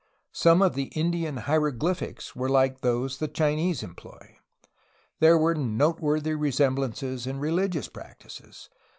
Some of the Indian hieroglyphics were like those the Chinese employ. There were noteworthy resem blances in religious practices.